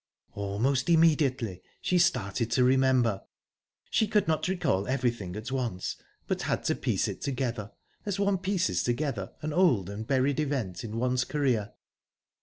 Almost immediately she started to remember. She could not recall everything at once, but had to piece it together, as one pieces together an old and buried event in one's career.